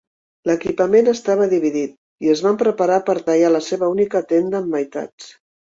L'equipament estava dividit, i es van preparar per tallar la seva única tenda en meitats.